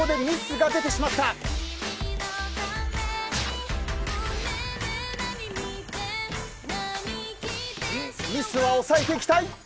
ミスは抑えていきたい。